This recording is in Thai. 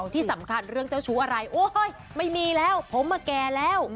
ที่สำคัญเรื่องเจ้าชู้อะไรโอ๊ยไม่มีแล้วผมมาแก่แล้ว